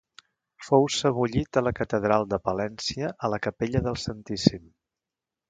Fou sebollit a la catedral de Palència, a la capella del Santíssim.